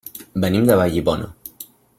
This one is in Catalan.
Venim de Vallibona.